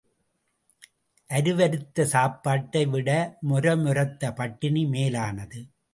அருவருத்த சாப்பாட்டை விட மொரமொரத்த பட்டினி மேலானது.